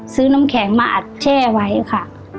น้ำแข็งมาอัดแช่ไว้ค่ะ